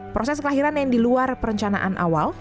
proses kelahiran yang diluar perencanaan awal